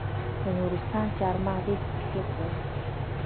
د نورستان چهارمغز ډیر کیفیت لري.